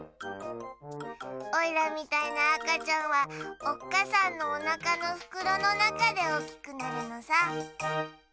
オイラみたいなあかちゃんはおっかさんのおなかのふくろのなかでおおきくなるのさ。